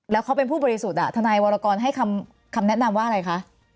แล้วเขาเป็นผู้บริสุทธิ์ทนายวรกรให้คำแนะนำว่าอะไรคะ